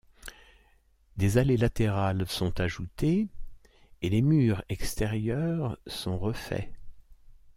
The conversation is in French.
Des allées latérales sont ajoutées et les murs extérieurs sont refaits.